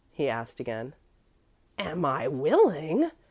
he asked again. "Am I willing?